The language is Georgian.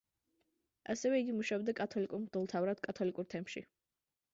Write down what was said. ასევე იგი მუშაობდა კათოლიკურ მღვდელმთავრად კათოლიკურ თემში.